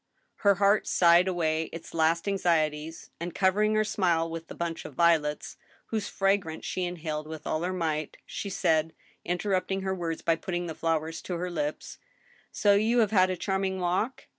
Her heart sighed away its last anxieties, and, covering her smile with the bunch of violets, whose fragrance she inhaled with all her might, she said, interrupting her words by putting the flowers to her lips :" So you have had a charming walk